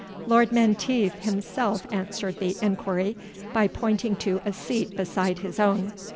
Lord Menteith himself answered the enquiry, by pointing to a seat beside his own.